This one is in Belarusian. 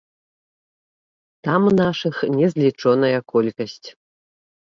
Там нашых незлічоная колькасць.